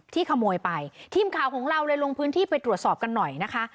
ขโมยไปทีมข่าวของเราเลยลงพื้นที่ไปตรวจสอบกันหน่อยนะคะ